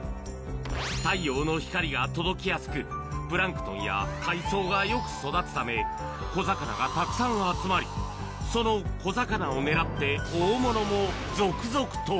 太陽の光が届きやすく、プランクトンや海藻がよく育つため、小魚がたくさん集まり、その小魚を狙って大物も続々と。